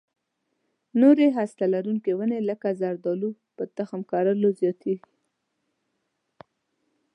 نورې هسته لرونکې ونې لکه زردالو په تخم کرلو زیاتېږي.